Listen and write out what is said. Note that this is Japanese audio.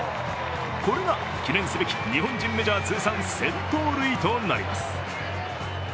これが記念すべき日本人メジャー通算、１０００盗塁となります。